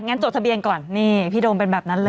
จดทะเบียนก่อนนี่พี่โดมเป็นแบบนั้นเลย